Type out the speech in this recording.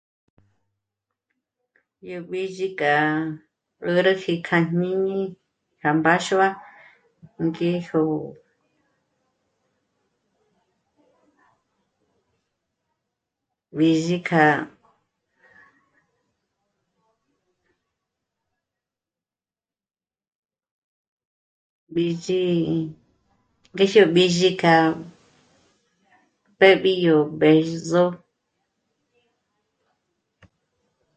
Yo b'ízhi ka 'ä̀rä ji k'a jñíñi k'a mbáxua ngèjo b'ízhi ka b'izhi gè xo b'ízhi ka péb'i yo b'èzho